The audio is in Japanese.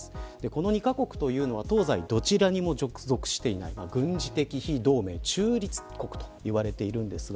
この２カ国というのは東西どちらにも属していない軍事的非同盟中立国と言われています。